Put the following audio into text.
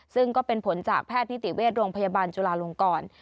ซึ่งก็เป็นผลจากแพทย์นิติเวชโรงพยาบาลจุลาลงกร